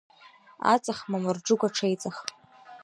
Аҵых мамырџыгә аҽеиҵых…